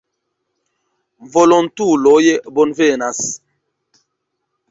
Volontuloj bonvenas.